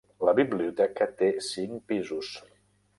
La biblioteca té cinc pisos.